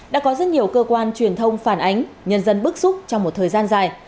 đã có rất nhiều cơ quan truyền thông phản ánh nhân dân bức xúc trong một thời gian dài